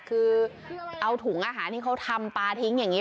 คือเอาถุงอาหารที่เขาทำปลาทิ้งอย่างนี้